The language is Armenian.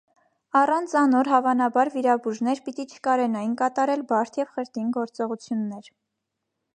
Առանց անոր հաւանաբար վիրաբուժներ պիտի չկարենային կատարել բարդ եւ խրդին գործողութիւններ։